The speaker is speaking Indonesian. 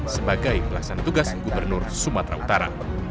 sebagai pelaksana tugas gubernur sumatera utara